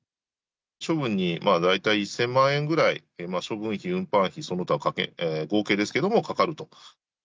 処分に大体１０００万円ぐらい、処分費、運搬費、その他合計ですけれども、かかると。